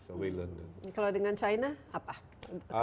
kalau dengan china apa